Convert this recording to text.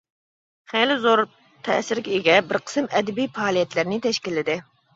خېلى زور تەسىرگە ئىگە بىر قىسىم ئەدەبىي پائالىيەتلەرنى تەشكىللىدى.